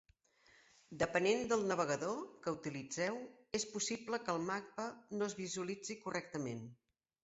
Depenent del navegador que utilitzeu és possible que el mapa no es visualitzi correctament.